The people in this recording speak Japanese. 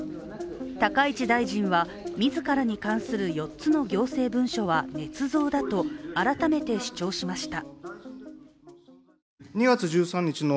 高市大臣は自らに関する４つの行政文書はねつ造だと改めて主張しました。